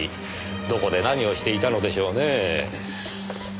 どこで何をしていたのでしょうね？